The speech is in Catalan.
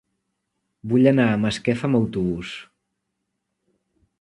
Vull anar a Masquefa amb autobús.